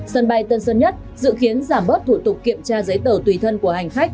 sân bay tân sơn nhất dự kiến giảm bớt thủ tục kiểm tra giấy tờ tùy thân của hành khách